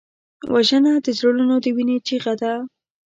وژنه د زړونو د وینې چیغه ده